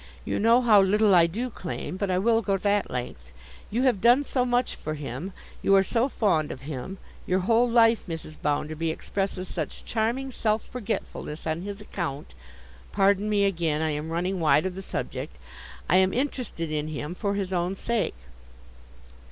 You know how little I do claim, but I will go that length. You have done so much for him, you are so fond of him; your whole life, Mrs. Bounderby, expresses such charming self forgetfulness on his account—pardon me again—I am running wide of the subject. I am interested in him for his own sake.